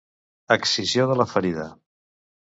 Excisió de la ferida.